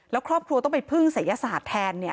แล้วครอบครัวต้องไปพึ่งศัยศาสตร์แทนเนี่ย